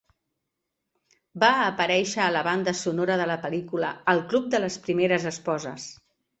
Va aparèixer a la banda sonora de la pel·lícula "El club de les primeres esposes".